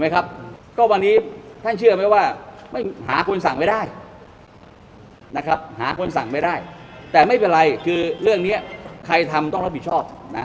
ก็วันนี้ถ้าเชื่อไหมว่าไม่หาก้นสั่งไม่ได้แต่ไม่เป็นไรคือใครทำต้องรับผิดชอบ